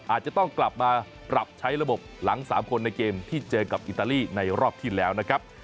อาจจะต้องกลับมาปรับใช้ระบบหลัง๓คนในเกมที่เจอกับอิตาลีในรอบที่แล้วนะครับ